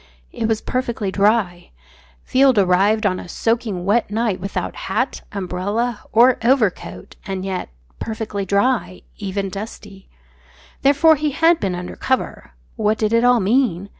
It was perfectly dry; Field arrived on a soaking wet night without hat, umbrella, or overcoat, and yet perfectly dry, even dusty. Therefore he had been under cover. What did it all mean?